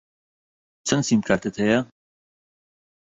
چەند سیمکارتت هەیە؟